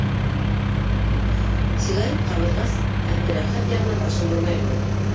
Сигарет ҡабыҙғас, Әптеләхәт яғына башын бормай ғына: